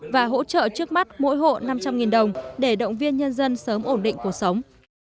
và hỗ trợ trước mắt mỗi hộ năm trăm linh đồng để động viên nhân dân sớm ổn định cuộc sống